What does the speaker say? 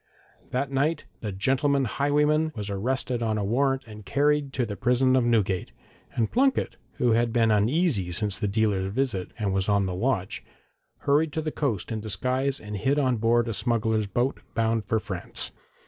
That night the 'gentleman highwayman' was arrested on a warrant, and carried to the prison of Newgate, and Plunket, who had been uneasy since the dealer's visit, and was on the watch, hurried to the coast in disguise and hid on board a smuggler's boat, bound for France.